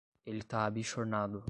Ele tá abichornado